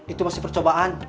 itu masih percobaan